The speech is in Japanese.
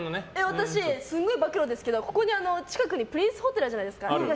私、すんごい暴露ですけど近くにプリンスホテルあるじゃないですか。